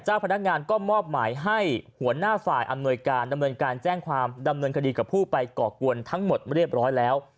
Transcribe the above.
พนักงานก็มอบหมายให้หัวหน้าฝ่ายอำนวยการดำเนินการแจ้งความดำเนินคดีกับผู้ไปก่อกวนทั้งหมดเรียบร้อยแล้ว